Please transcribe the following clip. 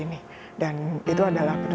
yang sudah deket